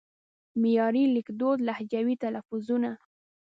معیاري لیکدود لهجوي تلفظونه